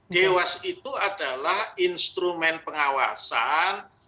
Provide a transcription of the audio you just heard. dewas itu adalah instrumen pengawasan